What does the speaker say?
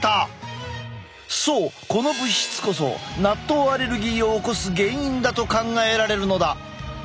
そうこの物質こそ納豆アレルギーを起こす原因だと考えられるのだ！